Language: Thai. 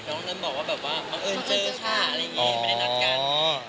วันนั้นบอกว่าแบบว่าบังเอิญเจอค่ะอะไรอย่างนี้ไม่ได้นัดกัน